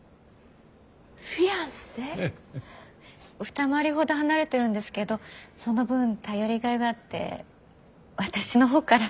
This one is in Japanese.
二回りほど離れてるんですけどその分頼りがいがあって私の方から。